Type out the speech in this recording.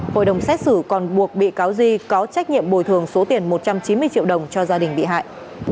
một bị cáo di có trách nhiệm bồi thường số tiền một trăm chín mươi triệu đồng cho gia đình bị hại